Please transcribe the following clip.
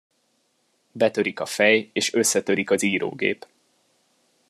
Betörik a fej és összetörik az írógép.